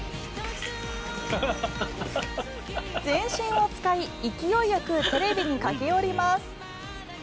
全身を使い勢いよくテレビに駆け寄ります。